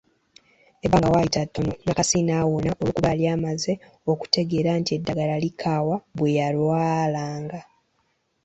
Ebbanga waayita tono Nakasi naawona olw’okuba yali amaze okutegeera nti eddagala likaawa bwe yalwalanga.